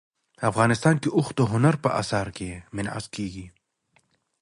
افغانستان کې اوښ د هنر په اثار کې منعکس کېږي.